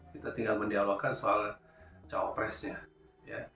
kita tinggal mendialogkan soal capresnya